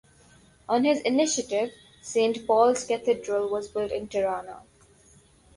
On his initiative Saint Paul's Cathedral was built in Tirana.